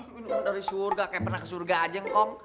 minuman dari surga kayak pernah ke surga aja engkong